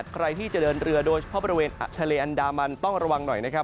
ใครที่จะเดินเรือโดยเฉพาะบริเวณทะเลอันดามันต้องระวังหน่อยนะครับ